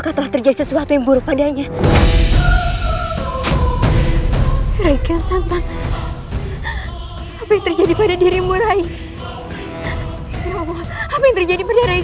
ya allah aku mau lindungi rai kian santang ya allah aku mau